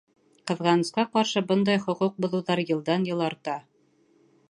Ҡыҙғанысҡа ҡаршы, бындай хоҡуҡ боҙоуҙар йылдан-йыл арта.